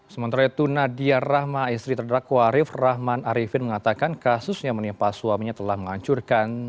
sementara itu nadia rahma istri terdakwa arief rahman arifin mengatakan kasus yang menimpa suaminya telah menghancurkan